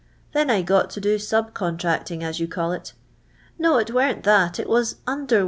Then I uot to do sub con tracting, as you call it. No, it weren't that, it was under w.